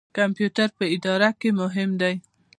کمپیوټر په اداره کې مهم دی